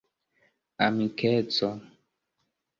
amikeco